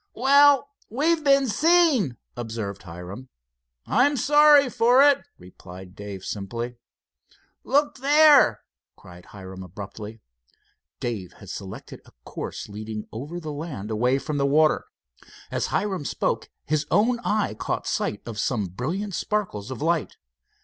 "Well, we've been seen," observed Hiram, "I'm sorry for it," replied Dave simply. "Look there!" cried Hiram abruptly. Dave had selected a course leading over the land, away from the water. As Hiram spoke, his own eye caught sight of some brilliant sparkles of light.